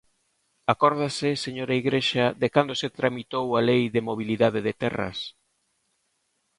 ¿Acórdase, señora Igrexa, de cando se tramitou a Lei de mobilidade de terras?